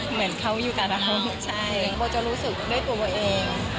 เหมือนเขาอยู่กล่าจะรู้สึกด้วยตัวเอง